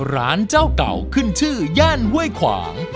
ร้านเจ้าเก่าขึ้นชื่อย่านห้วยขวาง